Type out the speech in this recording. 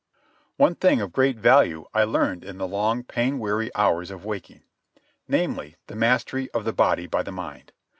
One thing of great value I learned in the long, pain weary hours of waking—namely, the mastery of the body by the mind.